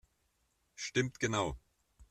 Stimmt genau!